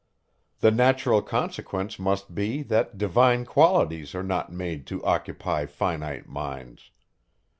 The natural consequence must be, that divine qualities are not made to occupy finite minds.